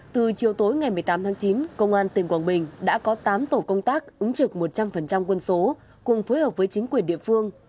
từ chiều tối ngày một mươi tám tháng chín công an tỉnh quảng bình đã có tám tổ công tác ứng trực một trăm linh quân số cùng phối hợp với chính quyền địa phương